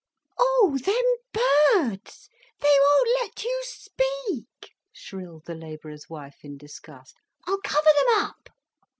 "O o h them birds, they won't let you speak—!" shrilled the labourer's wife in disgust. "I'll cover them up."